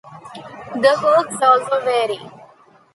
The hooks also vary.